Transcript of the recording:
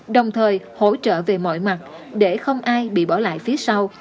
đồng thời hỗ trợ về mọi mặt để không ai bị bỏ lại phía sau